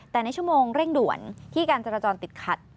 แต่ในชั่วโมงเร่งด่วนที่การจราจรติดขัด